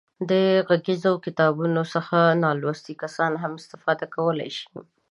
د غږیزو کتابونو څخه نالوستي کسان هم استفاده کولای شي.